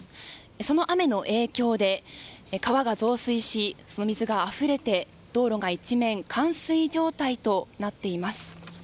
その雨の影響で川が増水し、水があふれて道路が一面冠水状態となっています。